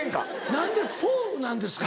何でフォ！なんですか？